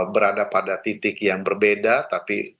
berada pada titik yang berbeda tapi